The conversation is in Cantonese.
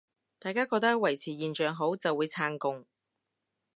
大家覺得維持現狀好，就會撐共